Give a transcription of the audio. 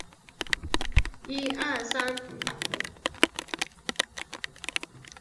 米拉杜人口变化图示